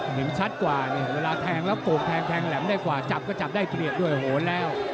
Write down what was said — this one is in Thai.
เห็นชัดกว่าเนี่ยเวลาแทงแล้วโกงแทงแทงแหลมได้กว่าจับก็จับได้เปรียบด้วยโหนแล้ว